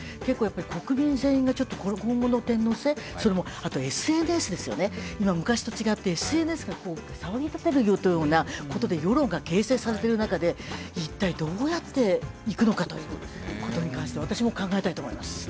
国民全員が今後の天皇制、あとＳＮＳですよね、今は昔と違ってＳＮＳが騒ぎ立てることで世論が形成されてる中で一体どうやっていくのかということに関して私も考えたいと思います。